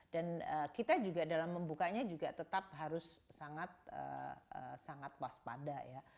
dan kita juga dalam membukanya juga tetap harus sangat waspada ya